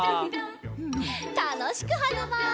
たのしくはねます。